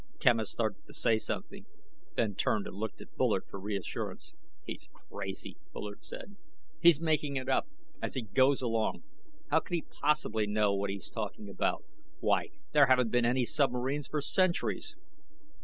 Quemos started to say something, then turned and looked at Bullard for reassurance. "He's crazy," Bullard said, "he's making it up as he goes along. How could he possibly know what he's talking about? Why, there haven't been any submarines for centuries."